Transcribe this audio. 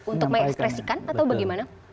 untuk mengekspresikan atau bagaimana